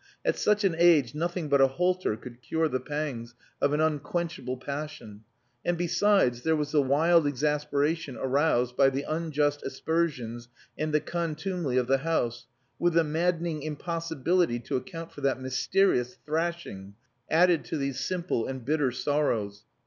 At such an age nothing but a halter could cure the pangs of an unquenchable passion. And, besides, there was the wild exasperation aroused by the unjust aspersions and the contumely of the house, with the maddening impossibility to account for that mysterious thrashing, added to these simple and bitter sorrows.